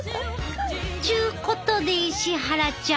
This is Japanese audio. ちゅうことで石原ちゃん。